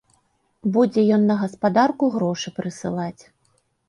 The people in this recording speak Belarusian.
Будзе ён на гаспадарку грошы прысылаць.